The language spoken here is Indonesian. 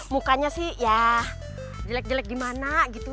mukanya sih ya jelek jelek di mana gitu